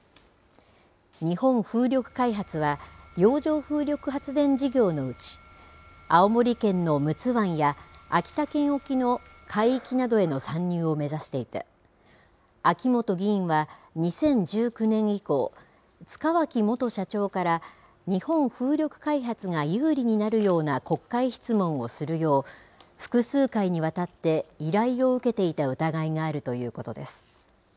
日本風力開発は洋上風力開発事業のうち青森県の陸奥湾や秋田県沖の海域などへの参入を目指していて秋本議員は２０１９年以降塚脇元社長から日本風力開発が有利になるような国会質問をするよう複数回にわたって依頼を受けていた疑いがあるということです。